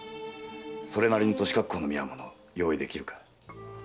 それなりに年かっこうの見合う者用意できるか？